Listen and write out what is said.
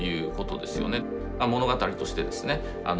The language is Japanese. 物語としてですね